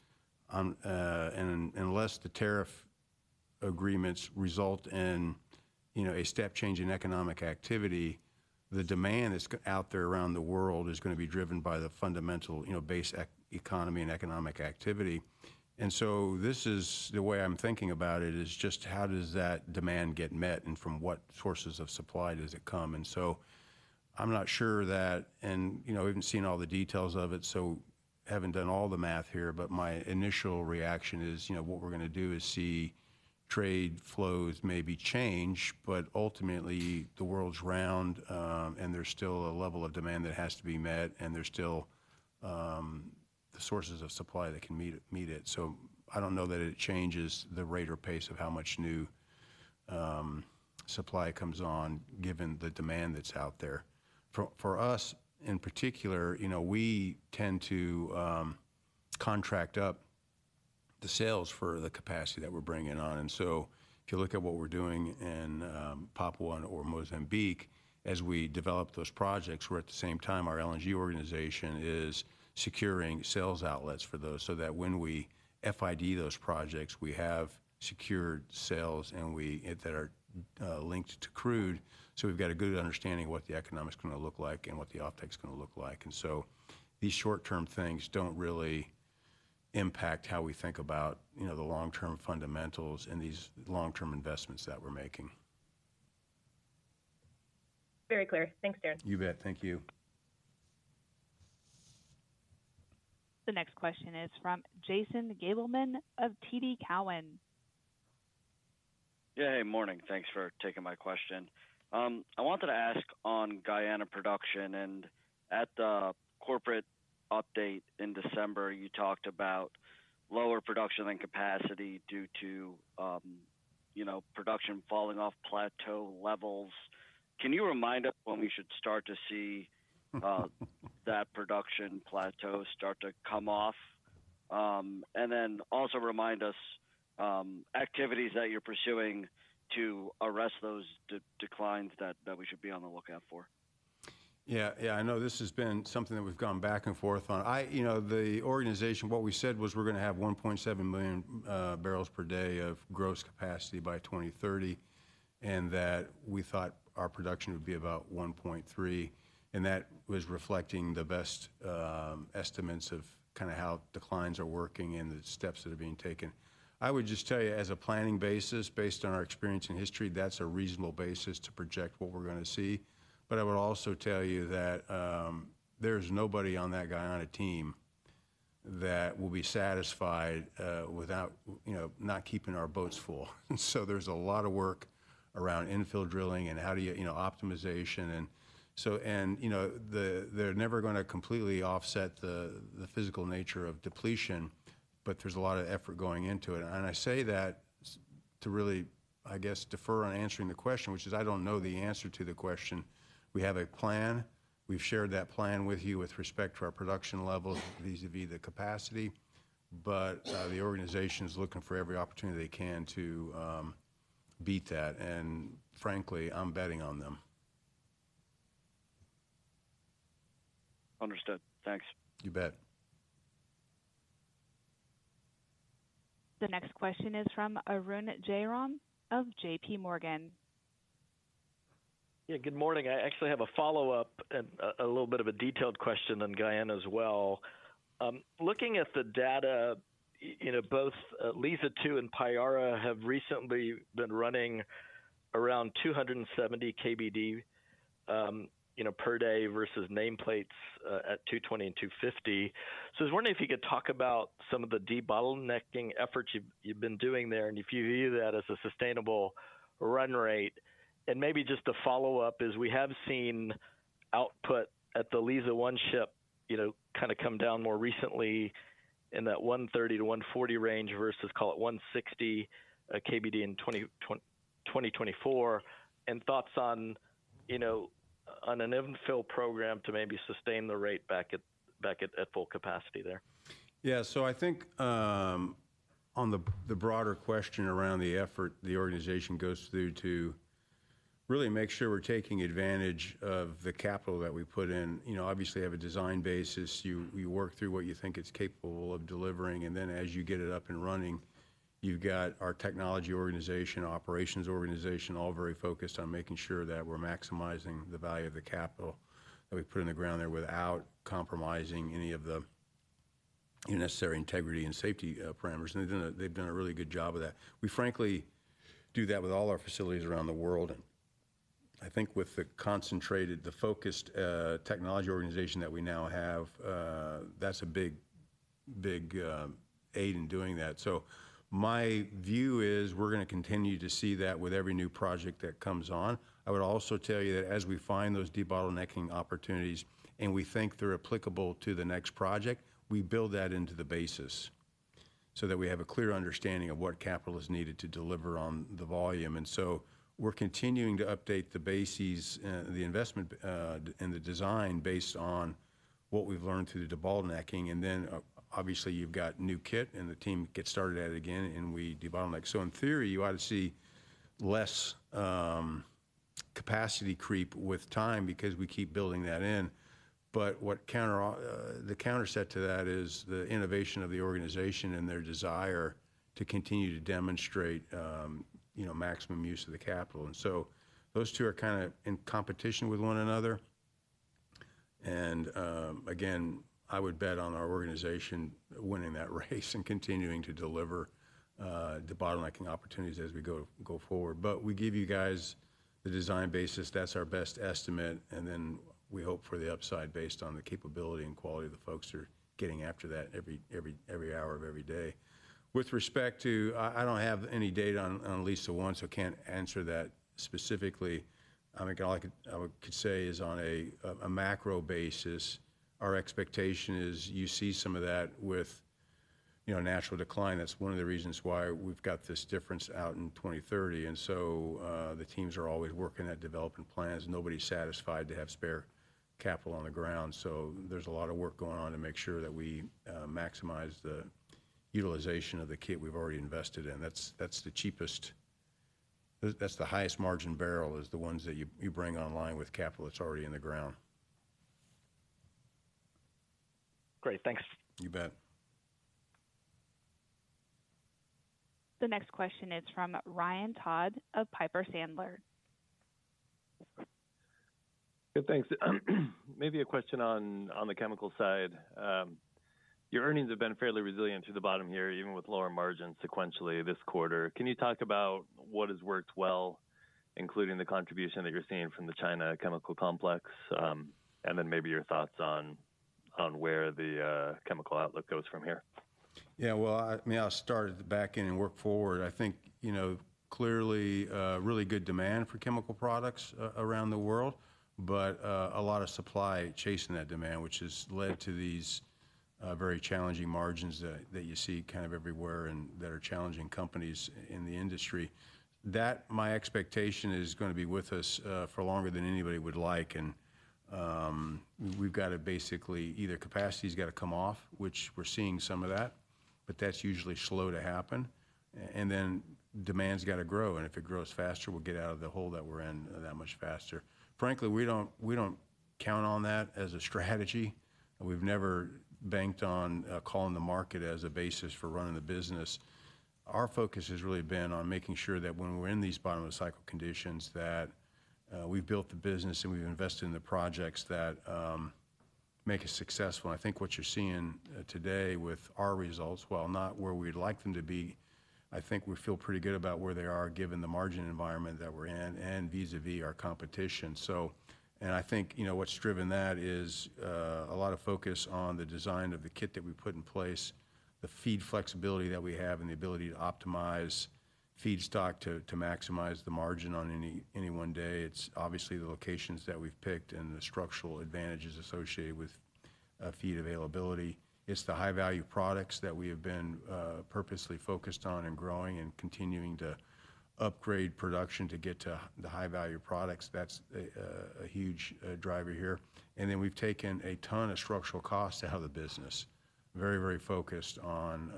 S2: Unless the tariff agreements result in a step change in economic activity, the demand that's out there around the world is going to be driven by the fundamental base economy and economic activity. This is the way I'm thinking about it is just how does that demand get met and from what sources of supply does it come? I'm not sure that, and we haven't seen all the details of it, so haven't done all the math here, but my initial reaction is what we're going to do is see trade flows maybe change. Ultimately, the world's round and there's still a level of demand that has to be met and there's still the sources of supply that can meet it. I don't know that it changes the rate or pace of how much new supply comes on given the demand that's out there. For us in particular, we tend to contract up the sales for the capacity that we're bringing on. If you look at what we're doing in Papua or Mozambique as we develop those projects, we're at the same time our LNG organization is securing sales outlets for those so that when we FID those projects, we have secured sales that are linked to crude. We have a good understanding of what the economics are going to look like and what the OpEx is going to look like. These short-term things do not really impact how we think about the long-term fundamentals and these long-term investments that we're making.
S11: Very clear. Thanks, Darren.
S2: You bet. Thank you.
S3: The next question is from Jason Gabelman of TD Cowen.
S12: Yeah. Hey, morning. Thanks for taking my question. I wanted to ask on Guyana production and at the corporate update in December, you talked about lower production than capacity due to production falling off plateau levels. Can you remind us when we should start to see that production plateau start to come off? Also, remind us activities that you're pursuing to arrest those declines that we should be on the lookout for.
S2: Yeah. Yeah. I know this has been something that we've gone back and forth on. The organization, what we said was we're going to have 1.7 million barrels per day of gross capacity by 2030 and that we thought our production would be about 1.3. That was reflecting the best estimates of kind of how declines are working and the steps that are being taken. I would just tell you as a planning basis, based on our experience and history, that's a reasonable basis to project what we're going to see. I would also tell you that there's nobody on that Guyana team that will be satisfied without not keeping our boats full. There is a lot of work around infill drilling and how do you optimization. They're never going to completely offset the physical nature of depletion, but there's a lot of effort going into it. I say that to really, I guess, defer on answering the question, which is I don't know the answer to the question. We have a plan. We've shared that plan with you with respect to our production levels vis-à-vis the capacity. The organization is looking for every opportunity they can to beat that. Frankly, I'm betting on them.
S12: Understood. Thanks.
S2: You bet.
S3: The next question is from Arun Jayaram of JPMorgan Chase & Co.
S13: Yeah. Good morning. I actually have a follow-up and a little bit of a detailed question on Guyana as well. Looking at the data, both Liza 2 and Payara have recently been running around 270 KBD per day versus nameplates at 220 and 250. I was wondering if you could talk about some of the debottlenecking efforts you have been doing there and if you view that as a sustainable run rate. Maybe just a follow-up is we have seen output at the Liza 1 ship kind of come down more recently in that 130-140 range versus, call it, 160 KBD in 2024. Thoughts on an infill program to maybe sustain the rate back at full capacity there?
S2: Yeah. I think on the broader question around the effort the organization goes through to really make sure we're taking advantage of the capital that we put in, obviously have a design basis. You work through what you think it's capable of delivering. As you get it up and running, you've got our technology organization, operations organization, all very focused on making sure that we're maximizing the value of the capital that we put in the ground there without compromising any of the necessary integrity and safety parameters. They've done a really good job of that. We, frankly, do that with all our facilities around the world. I think with the concentrated, the focused technology organization that we now have, that's a big, big aid in doing that. My view is we're going to continue to see that with every new project that comes on. I would also tell you that as we find those debottlenecking opportunities and we think they're applicable to the next project, we build that into the basis so that we have a clear understanding of what capital is needed to deliver on the volume. We're continuing to update the bases, the investment, and the design based on what we've learned through the debottlenecking. Obviously, you've got new kit and the team gets started at it again and we debottleneck. In theory, you ought to see less capacity creep with time because we keep building that in. The counter-set to that is the innovation of the organization and their desire to continue to demonstrate maximum use of the capital. Those two are kind of in competition with one another. I would bet on our organization winning that race and continuing to deliver debottlenecking opportunities as we go forward. We give you guys the design basis. That is our best estimate. We hope for the upside based on the capability and quality of the folks who are getting after that every hour of every day. With respect to, I do not have any data on Liza 1, so I cannot answer that specifically. I mean, all I could say is on a macro basis, our expectation is you see some of that with natural decline. That is one of the reasons why we have got this difference out in 2030. The teams are always working at developing plans. Nobody is satisfied to have spare capital on the ground. There is a lot of work going on to make sure that we maximize the utilization of the kit we have already invested in. That is the cheapest, that is the highest margin barrel, is the ones that you bring online with capital that is already in the ground.
S13: Great. Thanks.
S2: You bet.
S3: The next question is from Ryan Todd of Piper Sandler.
S14: Good. Thanks. Maybe a question on the chemical side. Your earnings have been fairly resilient to the bottom here, even with lower margins sequentially this quarter. Can you talk about what has worked well, including the contribution that you're seeing from the China chemical complex? Maybe your thoughts on where the chemical outlook goes from here.
S2: Yeah. I mean, I'll start at the back end and work forward. I think clearly really good demand for chemical products around the world, but a lot of supply chasing that demand, which has led to these very challenging margins that you see kind of everywhere and that are challenging companies in the industry. My expectation is that is going to be with us for longer than anybody would like. We've got to basically either capacity has got to come off, which we're seeing some of that, but that's usually slow to happen. Then demand's got to grow. If it grows faster, we'll get out of the hole that we're in that much faster. Frankly, we don't count on that as a strategy. We've never banked on calling the market as a basis for running the business. Our focus has really been on making sure that when we're in these bottom-of-cycle conditions, that we've built the business and we've invested in the projects that make us successful. I think what you're seeing today with our results, while not where we'd like them to be, I think we feel pretty good about where they are given the margin environment that we're in and vis-à-vis our competition. I think what's driven that is a lot of focus on the design of the kit that we put in place, the feed flexibility that we have, and the ability to optimize feed stock to maximize the margin on any one day. It's obviously the locations that we've picked and the structural advantages associated with feed availability. It's the high-value products that we have been purposely focused on and growing and continuing to upgrade production to get to the high-value products. That's a huge driver here. We have taken a ton of structural costs out of the business, very, very focused on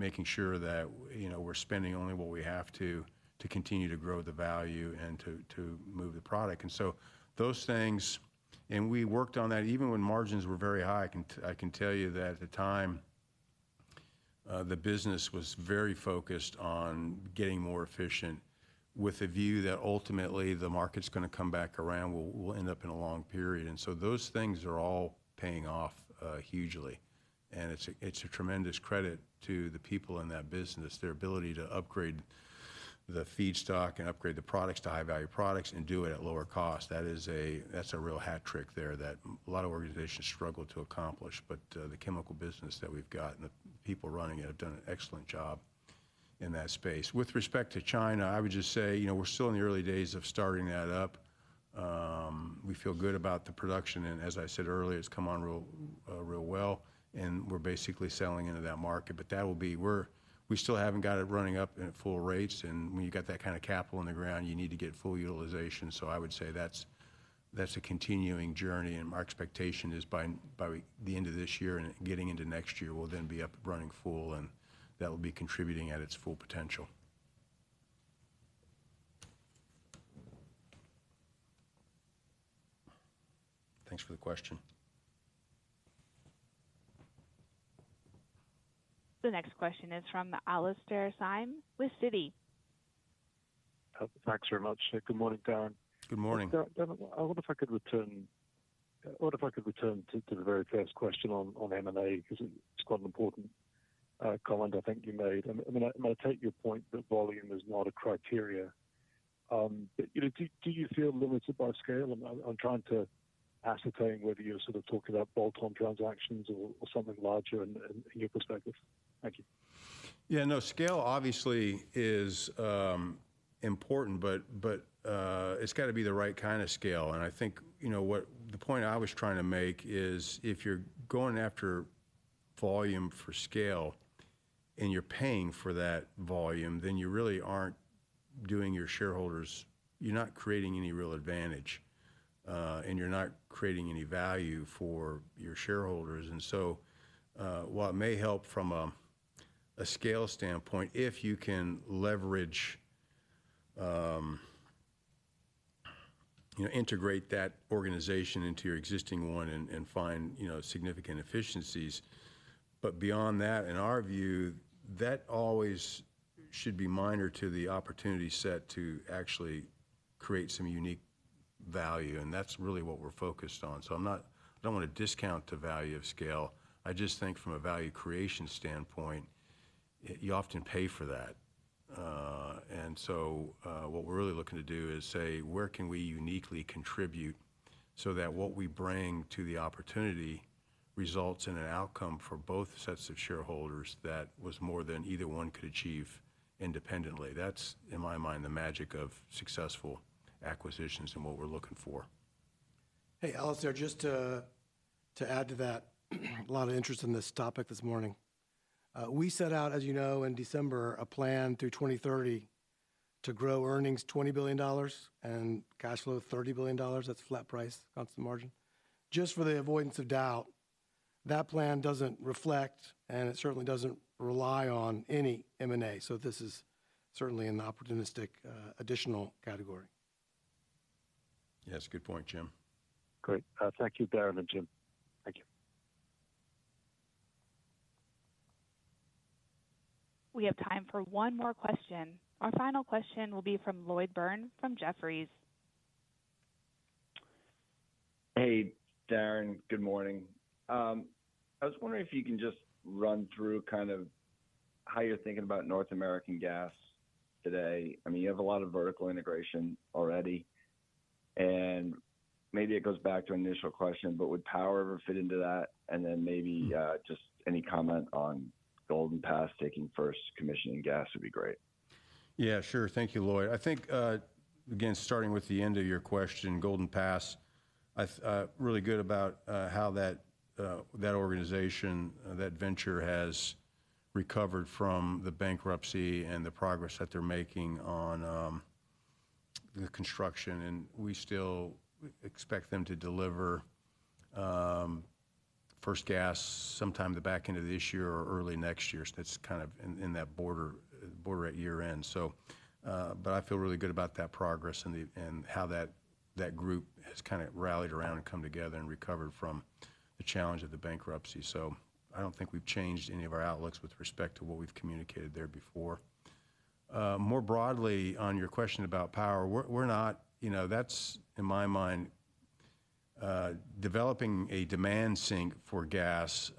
S2: making sure that we're spending only what we have to to continue to grow the value and to move the product. Those things, and we worked on that even when margins were very high. I can tell you that at the time, the business was very focused on getting more efficient with a view that ultimately the market's going to come back around. We'll end up in a long period. Those things are all paying off hugely. It is a tremendous credit to the people in that business, their ability to upgrade the feed stock and upgrade the products to high-value products and do it at lower cost. That is a real hat trick there that a lot of organizations struggle to accomplish. The chemical business that we have and the people running it have done an excellent job in that space. With respect to China, I would just say we are still in the early days of starting that up. We feel good about the production. As I said earlier, it has come on real well. We are basically selling into that market. That will be where we still have not got it running up at full rates. When you have that kind of capital in the ground, you need to get full utilization. I would say that is a continuing journey. Our expectation is by the end of this year and getting into next year, we'll then be up running full and that will be contributing at its full potential. Thanks for the question.
S3: The next question is from Alastair Syme with Citi.
S15: Thanks very much. Good morning, Darren.
S2: Good morning.
S15: I wonder if I could return, I wonder if I could return to the very first question on M&A because it's quite an important comment I think you made. I mean, I take your point that volume is not a criteria. But do you feel limited by scale? I'm trying to ascertain whether you're sort of talking about bolt-on transactions or something larger in your perspective. Thank you.
S2: Yeah. No, scale obviously is important, but it has got to be the right kind of scale. I think the point I was trying to make is if you are going after volume for scale and you are paying for that volume, then you really are not doing your shareholders, you are not creating any real advantage and you are not creating any value for your shareholders. While it may help from a scale standpoint if you can leverage, integrate that organization into your existing one and find significant efficiencies, beyond that, in our view, that always should be minor to the opportunity set to actually create some unique value. That is really what we are focused on. I do not want to discount the value of scale. I just think from a value creation standpoint, you often pay for that. What we're really looking to do is say, where can we uniquely contribute so that what we bring to the opportunity results in an outcome for both sets of shareholders that was more than either one could achieve independently. That's, in my mind, the magic of successful acquisitions and what we're looking for.
S1: Hey, Alastair, just to add to that, a lot of interest in this topic this morning. We set out, as you know, in December, a plan through 2030 to grow earnings $20 billion and cash flow $30 billion. That's flat price, constant margin. Just for the avoidance of doubt, that plan doesn't reflect and it certainly doesn't rely on any M&A. This is certainly an opportunistic additional category.
S2: Yes. Good point, Jim.
S15: Great. Thank you, Darren and Jim. Thank you.
S3: We have time for one more question. Our final question will be from Lloyd Byrne from Jefferies.
S16: Hey, Darren. Good morning. I was wondering if you can just run through kind of how you're thinking about North American gas today. I mean, you have a lot of vertical integration already. Maybe it goes back to an initial question, but would power ever fit into that? Maybe just any comment on Golden Pass taking first commissioning gas would be great.
S2: Yeah, sure. Thank you, Lloyd. I think, again, starting with the end of your question, Golden Pass, really good about how that organization, that venture has recovered from the bankruptcy and the progress that they're making on the construction. We still expect them to deliver first gas sometime at the back end of this year or early next year. That is kind of in that border at year-end. I feel really good about that progress and how that group has kind of rallied around and come together and recovered from the challenge of the bankruptcy. I do not think we have changed any of our outlooks with respect to what we have communicated there before. More broadly, on your question about power, we are not, that is in my mind, developing a demand sync for gas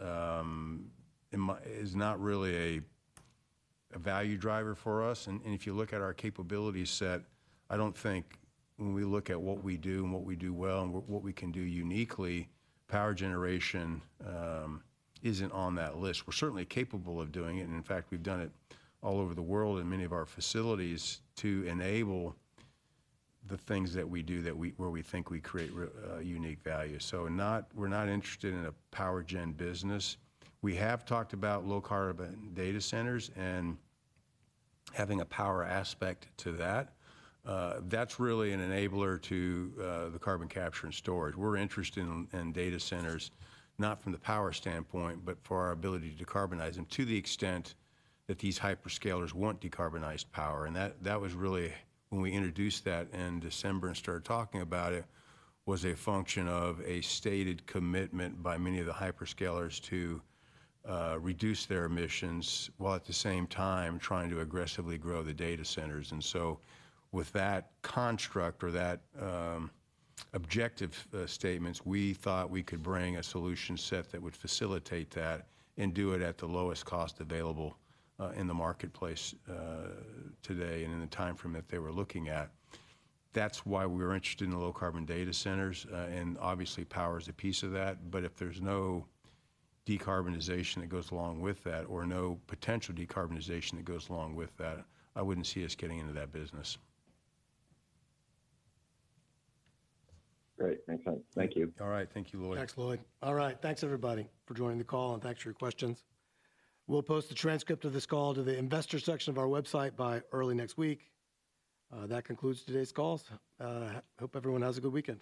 S2: is not really a value driver for us. If you look at our capability set, I do not think when we look at what we do and what we do well and what we can do uniquely, power generation is not on that list. We are certainly capable of doing it. In fact, we have done it all over the world in many of our facilities to enable the things that we do where we think we create unique value. We are not interested in a power gen business. We have talked about low carbon data centers and having a power aspect to that. That is really an enabler to the carbon capture and storage. We are interested in data centers, not from the power standpoint, but for our ability to decarbonize them to the extent that these hyperscalers want decarbonized power. That was really when we introduced that in December and started talking about it. It was a function of a stated commitment by many of the hyperscalers to reduce their emissions while at the same time trying to aggressively grow the data centers. With that construct or that objective statements, we thought we could bring a solution set that would facilitate that and do it at the lowest cost available in the marketplace today and in the timeframe that they were looking at. That is why we were interested in the low carbon data centers. Obviously, power is a piece of that. If there is no decarbonization that goes along with that or no potential decarbonization that goes along with that, I would not see us getting into that business.
S16: Great. Makes sense. Thank you.
S2: All right. Thank you, Lloyd.
S1: Thanks, Lloyd. All right. Thanks, everybody, for joining the call. Thanks for your questions. We'll post the transcript of this call to the investor section of our website by early next week. That concludes today's call. Hope everyone has a good weekend.